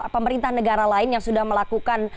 pemerintah negara lain yang sudah melakukan